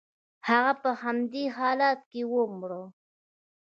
هغه په همدې حالت کې ومړ.